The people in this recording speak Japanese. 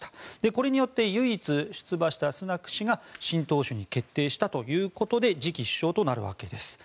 これによって唯一出馬したスナク氏が新党首に決定したということで次期首相となるわけです。